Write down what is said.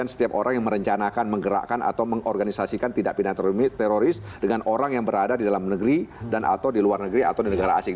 setiap orang yang merencanakan menggerakkan atau mengorganisasikan tindak pidana teroris dengan orang yang berada di dalam negeri dan atau di luar negeri atau di negara asing